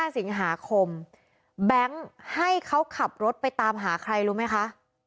สิงหาคมแบงค์ให้เขาขับรถไปตามหาใครรู้ไหมคะ